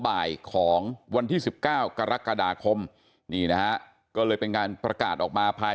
บ่ายของวันที่๑๙กรกฎาคมนี่นะฮะก็เลยเป็นการประกาศออกมาภาย